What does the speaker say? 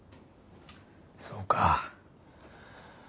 そうか。